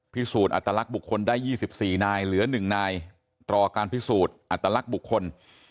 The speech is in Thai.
พิสูจน์อัตลักษณ์บุคคลได้๒๔นายเหลือ๑นายรอการพิสูจน์อัตลักษณ์บุคคล